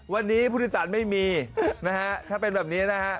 วันนี้ผู้โดยสารไม่มีนะฮะถ้าเป็นแบบนี้นะฮะ